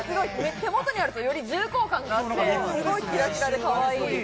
手元にあると、より重厚感があって、すごいキラキラでかわいい。